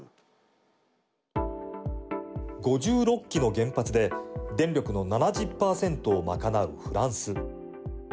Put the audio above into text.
５６基の原発で電力の７０パーセントをまかなうフランス。